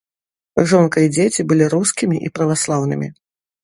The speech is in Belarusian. Жонка і дзеці былі рускімі і праваслаўнымі.